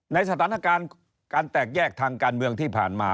ในสถานการณ์การแตกแยกทางการเมืองที่ผ่านมา